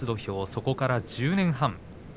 そこから１０年半。